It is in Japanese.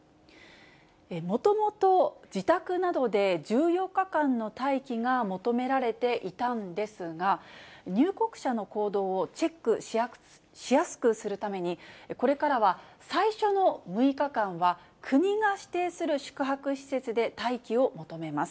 もともと自宅などで１４日間の待機が求められていたんですが、入国者の行動をチェックしやすくするために、これからは最初の６日間は、国が指定する宿泊施設で待機を求めます。